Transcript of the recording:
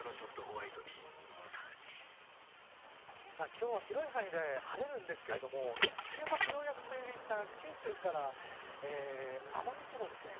今日は広い範囲で晴れるんですけれども週末、ようやく梅雨入りした九州から奄美地方ですね。